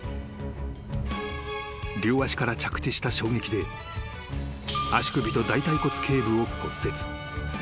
［両足から着地した衝撃で足首と大腿骨頸部を骨折］